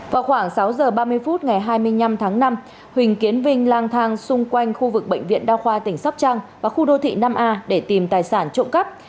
vào khoảng sáu giờ ba mươi phút ngày hai mươi năm tháng năm huỳnh tiến vinh lang thang xung quanh khu vực bệnh viện đa khoa tỉnh sóc trăng và khu đô thị năm a để tìm tài sản trộm cắp